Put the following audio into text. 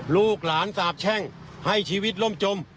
ลูกหลานสาบแช่งให้ชีวิตล่มจม